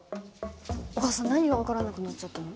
お母さん何が分からなくなっちゃったの？